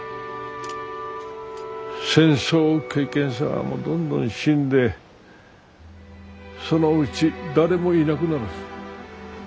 戦争経験者もどんどん死んでそのうち誰もいなくなる。